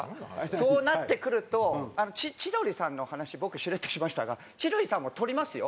そうなってくると千鳥さんの話僕しれっとしましたが千鳥さんも撮りますよ。